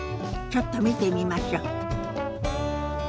ちょっと見てみましょ。